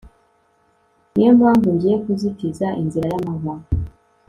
ni yo mpamvu ngiye kuzitiza inzira ye amahwa